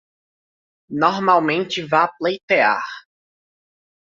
Normalmente vá pleitear